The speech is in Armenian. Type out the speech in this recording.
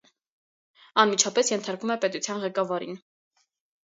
Անմիջապես ենթարկվում է պետության ղեկավարին։